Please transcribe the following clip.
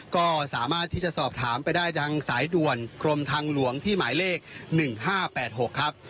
ก็สามารถที่จะสอบถามไปได้ทางสายด่วนกรมทางหลวงที่หมายเลข๑๕๘๖ครับ